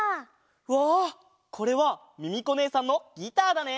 うわこれはミミコねえさんのギターだね。